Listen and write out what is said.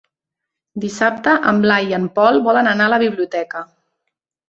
Dissabte en Blai i en Pol volen anar a la biblioteca.